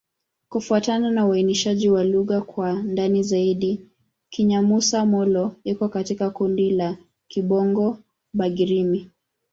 Kufuatana na uainishaji wa lugha kwa ndani zaidi, Kinyamusa-Molo iko katika kundi la Kibongo-Bagirmi.